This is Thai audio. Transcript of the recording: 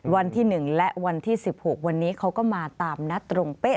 วันที่๑และวันที่๑๖วันนี้เขาก็มาตามนัดตรงเป๊ะ